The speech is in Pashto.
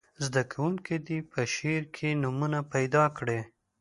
زده کوونکي دې په شعر کې نومونه پیداکړي.